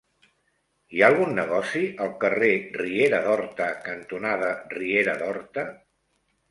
Hi ha algun negoci al carrer Riera d'Horta cantonada Riera d'Horta?